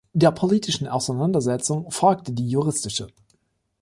Der politischen Auseinandersetzung folgte die juristische.